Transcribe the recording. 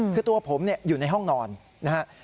คือตัวผมอยู่ในห้องนอนนะครับ